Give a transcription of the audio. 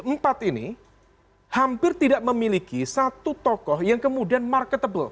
empat ini hampir tidak memiliki satu tokoh yang kemudian marketable